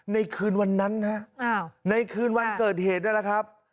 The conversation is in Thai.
ในคืนวันนั้นฮะในคืนวันเกิดเหตุนั่นแหละครับ